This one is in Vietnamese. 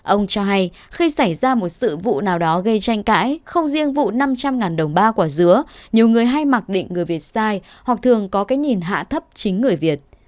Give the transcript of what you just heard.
ông cho hay khi xảy ra một sự vụ nào đó gây tranh cãi không riêng vụ năm trăm linh đồng ba quả dứa nhiều người hay mặc định người việt sai hoặc thường có cái nhìn hạ thấp chính người việt